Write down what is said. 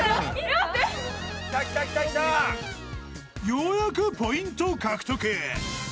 ［ようやくポイント獲得］